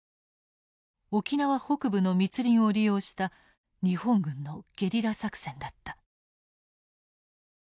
沖縄北部の密林を利用した日本軍のゲリラ作戦だった。